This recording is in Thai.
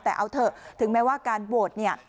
แต่เอาเถอะถึงแม้ว่าการโวด